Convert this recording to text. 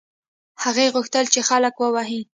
هغې غوښتل چې خلک ووهي.